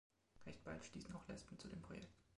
Recht bald stießen auch Lesben zu dem Projekt.